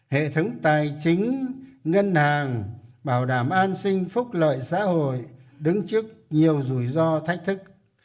hệ thống tài chính ngân hàng bảo đảm an sinh phúc lợi xã hội đứng trước nhiều rủi ro thách thức